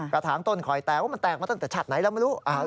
กระถางต้นคอยแตกว่ามันแตกมาตั้งแต่ชาติไหนแล้วไม่รู้